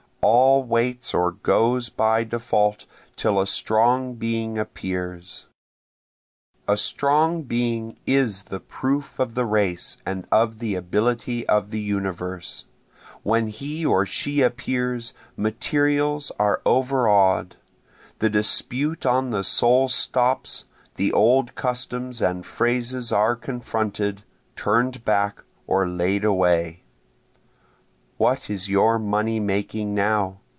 All waits or goes by default till a strong being appears; A strong being is the proof of the race and of the ability of the universe, When he or she appears materials are overaw'd, The dispute on the soul stops, The old customs and phrases are confronted, turn'd back, or laid away. What is your money making now?